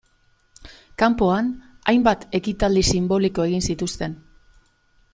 Kanpoan, hainbat ekitaldi sinboliko egin zituzten.